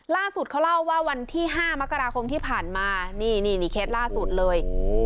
ล่าสุดเขาเล่าว่าวันที่๕มกราคมที่ผ่านมานี่นี่เคสล่าสุดเลย